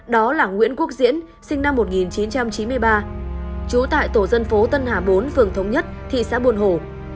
đó là nguyễn quốc diễn sinh năm một nghìn chín trăm chín mươi ba trú tại tổ dân phố tân hà bốn phường thống nhất thị xã buôn hồ